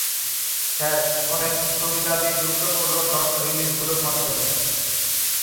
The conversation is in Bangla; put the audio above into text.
স্যাস অনেক সুবিধাদি যুক্ত করল ডট-রিলিজগুলোর মাধ্যমে।